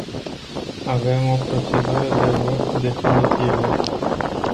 Avem o procedură de vot definitivă.